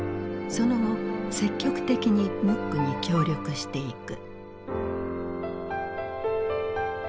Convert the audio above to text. その後積極的にムックに協力していく。